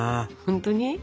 ほんとに？